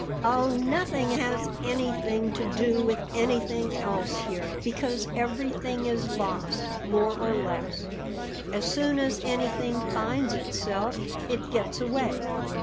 "Oh, nothing has anything to do with anything else here, because everything is lost, more or less. As soon as anything finds itself, it gets away.